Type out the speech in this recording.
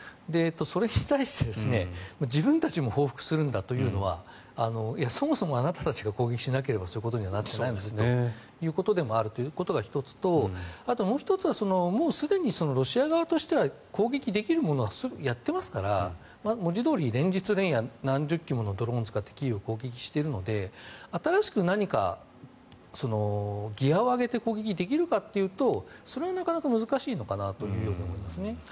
それに対して、自分たちも報復するんだというのはそもそもあなたたちが攻撃しなければそういうことにならないのですよというのが１つであるということとあと、もう１つはすでにロシア側としては攻撃できるものはやってますから文字どおり連日連夜何十機ものドローンを使ってキーウを攻撃しているので新しく何かギアを上げて攻撃できるかというとそれはなかなか難しいのかなと思いますね。